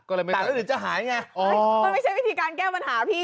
ก็เลยไม่ใช่วิธีการแก้ปัญหาพี่